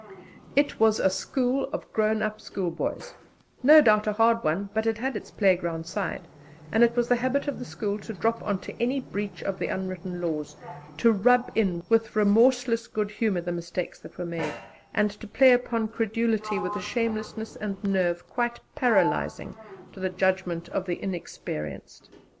It was a school of grown up schoolboys; no doubt a hard one, but it had its playground side, and it was the habit of the school to 'drop on to' any breach of the unwritten laws, to 'rub in' with remorseless good humour the mistakes that were made, and to play upon credulity with a shamelessness and nerve quite paralysing to the judgment of the inexperienced.